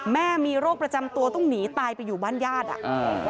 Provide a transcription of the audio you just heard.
แม่มีโรคประจำตัวต้องหนีตายไปอยู่บ้านญาติอ่ะอ่า